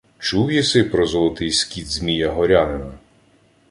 — Чув єси про золотий скіт Змія Горянина?